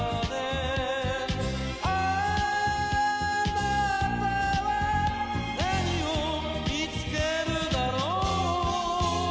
「貴方は何を見つけるだろう」